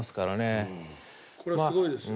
これはすごいですよ